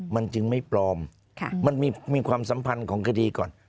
มันจึงไม่ปลอมมันมีความสัมพันธ์ของคดีก่อน